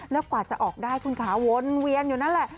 แล้วกว่าจะออกได้คุณค้าวนเวียนอยู่นั่นแหละ